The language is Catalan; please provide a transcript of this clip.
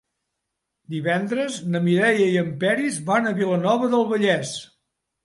Divendres na Mireia i en Peris van a Vilanova del Vallès.